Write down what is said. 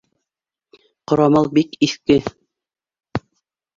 Ҡорамал бик иҫке.